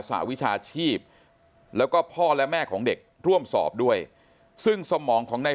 หวิชาชีพแล้วก็พ่อและแม่ของเด็กร่วมสอบด้วยซึ่งสมองของใน